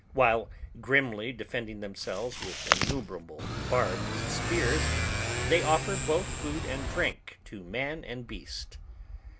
While grimly defending themselves with innumerable barbed spears, they offer both food and drink to man and beast.